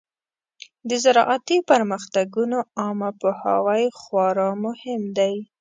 د زراعتي پرمختګونو عامه پوهاوی خورا مهم دی.